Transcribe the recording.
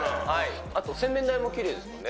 あと洗面台もきれいですもん